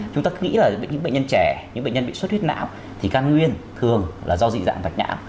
chúng ta cứ nghĩ là những bệnh nhân trẻ những bệnh nhân bị suất huyết não thì can nguyên thường là do dị dạng vạch não